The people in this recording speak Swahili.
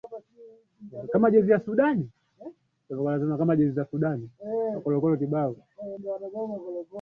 wakisafiri kuelekea kalbala na kuua watu saba